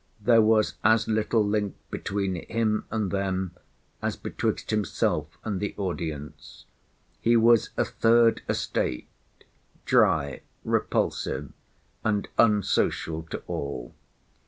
There was as little link between him and them as betwixt himself and the audience. He was a third estate, dry, repulsive, and unsocial to all.